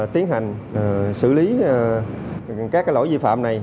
tiến hành xử lý các lỗi vi phạm này